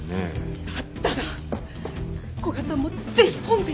だったら古賀さんもぜひコンペに。